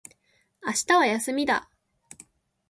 明日は休みだ